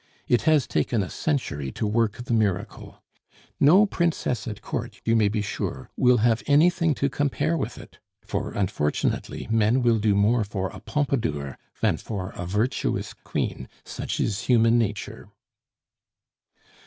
"It has taken a century to work the miracle. No princess at Court, you may be sure, will have anything to compare with it; for, unfortunately, men will do more for a Pompadour than for a virtuous queen, such is human nature."